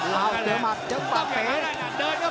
ลาวเดี๋ยวหมัดเดี๋ยวปากเป้น